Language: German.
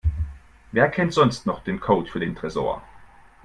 Wer kennt sonst noch den Code für den Tresor?